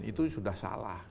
itu sudah salah